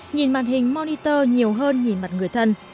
nhìn màn hình monitor nhiều hơn nhìn mặt người thân